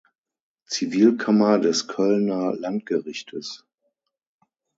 Zivilkammer des Kölner Landgerichtes.